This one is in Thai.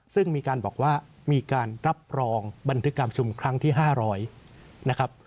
ซึ่งมีการบอกว่ามีการรับรองบันทึกการชุมครั้งที่๕๐๐นะครับ